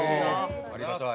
ありがたい。